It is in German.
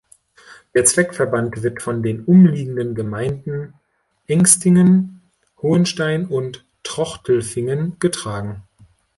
Der Zweckverband wird von den umliegenden Gemeinden Engstingen, Hohenstein und Trochtelfingen getragen.